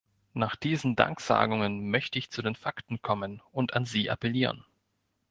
Nach diesen Danksagungen möchte ich zu den Fakten kommen und an Sie appellieren.